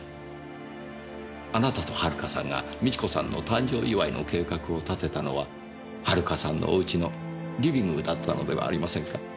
あなたと遥さんが美智子さんの誕生祝いの計画を立てたのは遥さんのお家のリビングだったのではありませんか？